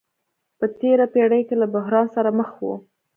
په تېره پېړۍ کې له بحران سره مخ وو.